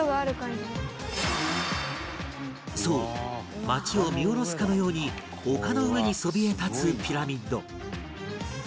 そう街を見下ろすかのように丘の上にそびえ立つピラミッド